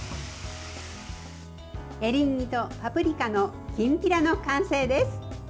エリンギとパプリカのきんぴらの完成です。